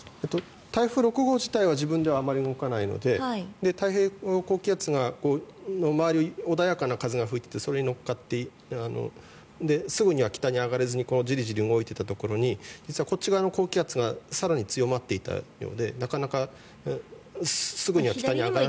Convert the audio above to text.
台風６号自体は自分ではあまり動かないので太平洋高気圧の周りを穏やかな風が吹いていてそれに乗っかってすぐには北に上がれずにジリジリ動いていたところに実はこっち側の高気圧が更に強まっていたようでなかなかすぐには北には上がれない。